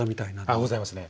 あございますね。